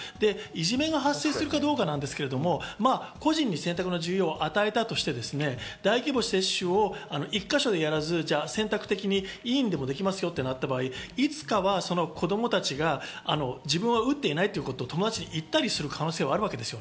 いじめが発生するかどうかなんですけど、個人に選択の自由を与えたとして、大規模接種を１か所でやらず選択的に医院でもできますよとなった場合、いつかは子供たちが自分は打っていないということを友達に言ったりする可能性があるわけです。